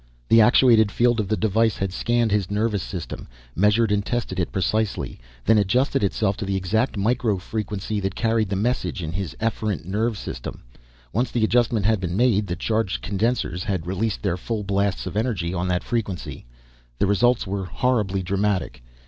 The actuated field of the device had scanned his nervous system, measured and tested it precisely. Then adjusted itself to the exact micro frequency that carried the messages in his efferent nervous system. Once the adjustment had been made, the charged condensers had released their full blasts of energy on that frequency. The results were horribly dramatic.